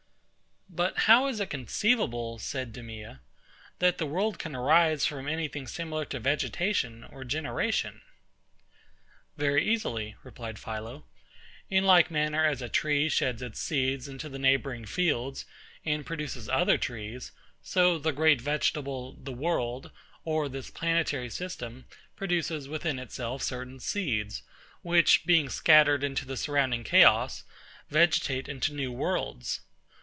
But how is it conceivable, said DEMEA, that the world can arise from any thing similar to vegetation or generation? Very easily, replied PHILO. In like manner as a tree sheds its seed into the neighbouring fields, and produces other trees; so the great vegetable, the world, or this planetary system, produces within itself certain seeds, which, being scattered into the surrounding chaos, vegetate into new worlds.